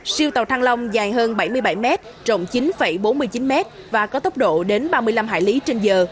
siêu tàu thăng long dài hơn bảy mươi bảy m rộng chín bốn mươi chín m và có tốc độ đến ba mươi năm hải lý trên giờ